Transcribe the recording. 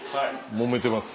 もめてます。